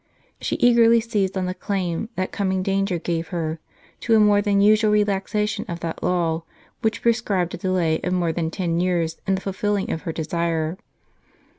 She eagerly seized on the claim that coming danger gave her, to a more than usual relaxation of that law which prescribed a delay of more than ten years in the ful filling of her desire.